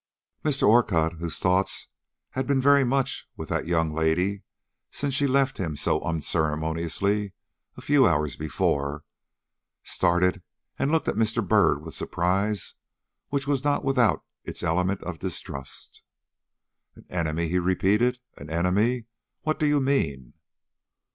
Mr. Orcutt, whose thoughts had been very much with that young lady since she left him so unceremoniously a few hours before, started and looked at Mr. Byrd with surprise which was not without its element of distrust. "An enemy?" he repeated. "An enemy? What do you mean?"